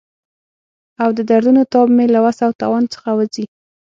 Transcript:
او د دردونو تاب مې له وس او توان څخه وځي.